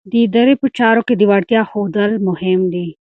د ادارې په چارو کې د وړتیا ښودل مهم دي.